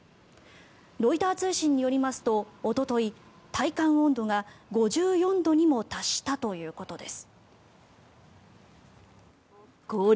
ロイター通信によりますとおととい、体感温度が５４度にも達したということです。